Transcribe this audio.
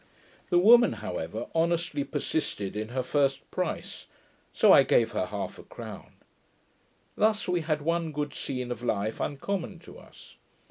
The woman, however, honestly persisted in her price; so I gave her half a crown. Thus we had one good scene of life uncommon to us.